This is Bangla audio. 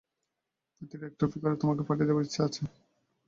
প্রত্যেকটির এক এক কপি তোমাকে পাঠিয়ে দেবার ইচ্ছা আছে।